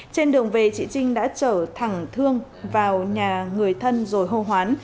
trên đường về chị trinh đã trở thẳng thương vào nhà người thân rồi hô hoán